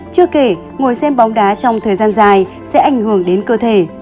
chưa kể ngồi xem bóng đá trong thời gian dài sẽ ảnh hưởng đến cơ thể